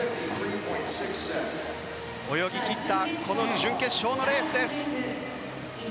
泳ぎ切ったこの準決勝のレースです。